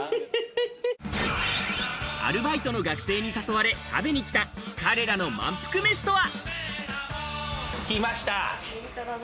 アルバイトの学生に誘われ食べに来た彼らのまんぷく飯とは？